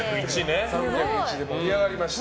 ３０１で盛り上がりました。